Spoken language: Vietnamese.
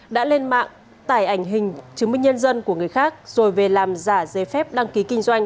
đã lên mạng tải ảnh hình chứng minh nhân dân của người khác rồi về làm giả giấy phép đăng ký kinh doanh